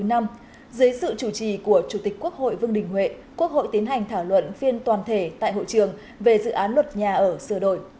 dưới sự chủ trì của chủ tịch quốc hội vương đình huệ quốc hội tiến hành thảo luận phiên toàn thể tại hội trường về dự án luật nhà ở sửa đổi